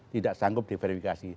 tidak sanggup diverifikasi